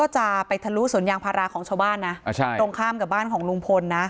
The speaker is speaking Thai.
จะไปทะลุสวนยางพาราของชาวบ้านนะตรงข้ามกับบ้านของลุงพลนะ